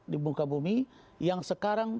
di muka bumi yang sekarang